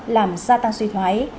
làm gia tăng suy thoái